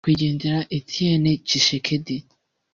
Nyakwigendera Etienne Tshisekedi